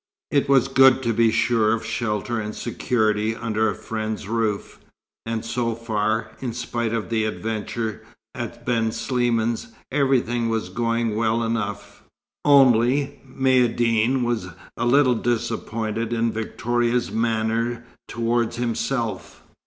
It was good to be sure of shelter and security under a friend's roof; and so far, in spite of the adventure at Ben Sliman's, everything was going well enough. Only Maïeddine was a little disappointed in Victoria's manner towards himself.